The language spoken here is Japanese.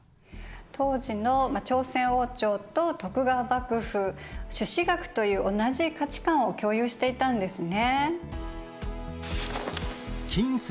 当時の朝鮮王朝と徳川幕府朱子学という同じ価値観を共有していたんですね。